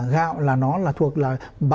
gạo là nó thuộc là